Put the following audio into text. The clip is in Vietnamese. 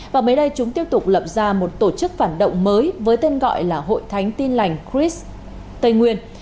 và mới đây chúng tiếp tục lập ra một tổ chức phản động mới với tên gọi là hội thánh tin lành cris tây nguyên